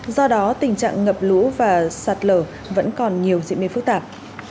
do đó tình trạng ngập lũ và sạt lở vẫn còn nhiều diễn biến phức tạp